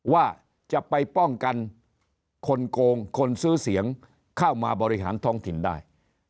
ว่าจะไปป้องกันคนโกงคนซื้อเสียงเข้ามาบริหารท้องถิ่นได้